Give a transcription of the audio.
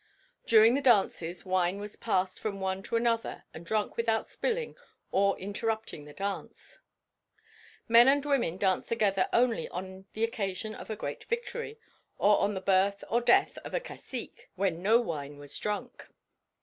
During the dances wine was passed from one to another and drunk without spilling or interrupting the dance. Men and women danced together only on the occasion of a great victory or on the birth or death of a cacique, when no wine was drunk.